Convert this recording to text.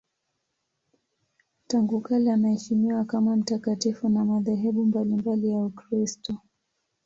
Tangu kale anaheshimiwa kama mtakatifu na madhehebu mbalimbali ya Ukristo.